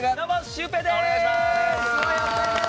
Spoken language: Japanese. シュウペイです！